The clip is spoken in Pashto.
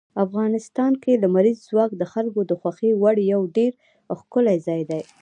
افغانستان کې لمریز ځواک د خلکو د خوښې وړ یو ډېر ښکلی ځای دی.